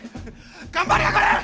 頑張りやがれ！